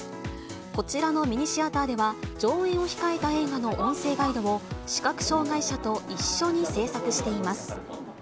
こちらのミニシアターでは、上映を控えた映画の音声ガイドを、視覚障がい者と一緒に制作しています。